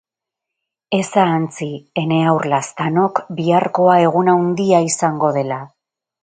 Ez ahantzi, ene haur laztanok, biharkoa egun handia izango dela.